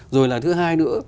rồi là thứ hai nữa